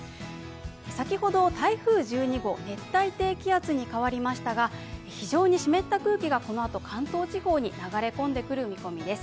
先ほど台風１２号、熱帯低気圧に変わりましたが、非常に湿った空気がこのあと関東地方に流れ込んでくる見込みです。